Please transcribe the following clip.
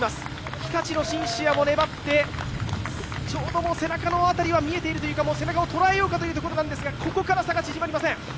日立のシンシアも粘ってちょうど背中の辺りが見えているというか、背中を捉えようかというところなんですが、ここから差が縮まりません。